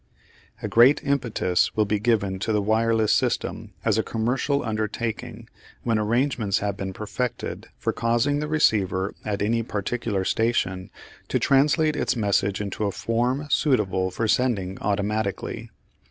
A great impetus will be given to the wireless system as a commercial undertaking when arrangements have been perfected for causing the receiver at any particular station to translate its message into a form suitable for sending automatically.